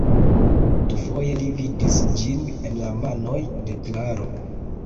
Dufoje li vidis ĝin en la manoj de Klaro.